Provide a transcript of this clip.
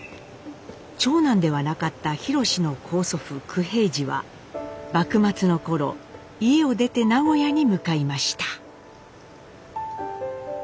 長男ではなかったひろしの高祖父九平治は幕末の頃家を出て名古屋に向かいました。